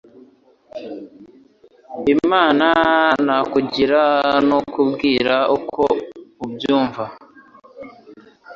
Inama nakugira nukubwira uko ubyumva.